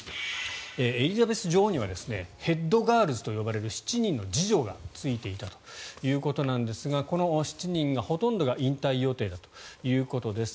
エリザベス女王にはヘッドガールズと呼ばれる７人の侍女がついていたということですがこの７人のほとんどが引退予定だということです。